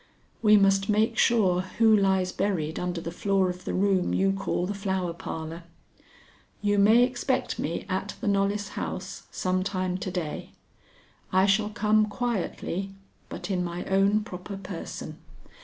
"We must make sure who lies buried under the floor of the room you call the Flower Parlor. You may expect me at the Knollys house some time to day. I shall come quietly, but in my own proper person.